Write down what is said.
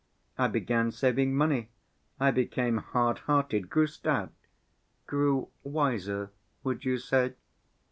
I began saving money, I became hard‐hearted, grew stout—grew wiser, would you say?